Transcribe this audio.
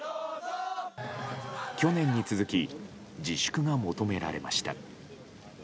去年に続き自粛が求められました。